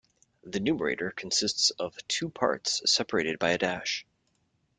The numerator consists of two parts separated by a dash.